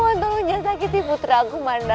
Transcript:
aku mohon tolong jasakiti putraku mandala